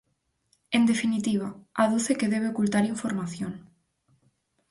En definitiva, aduce que debe ocultar información.